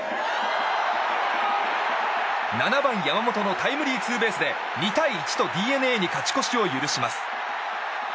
７番、山本のタイムリーツーベースで２対１とＤｅＮＡに勝ち越しを許します。